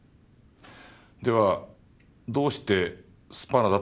ではどうしてスパナだとわかったんですか？